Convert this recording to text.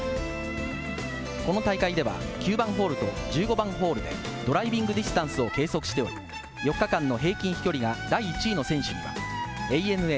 この大会では９番ホールと１５番ホールでドライビングディスタンスを計測しており、４日間の平均飛距離が第１位の選手にはＡＮＡ